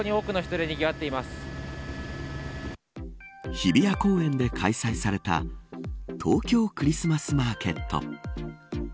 日比谷公園で開催された東京クリスマスマーケット。